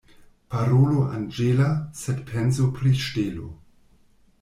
Parolo anĝela, sed penso pri ŝtelo.